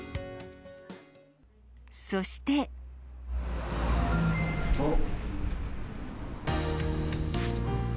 そして。おっ。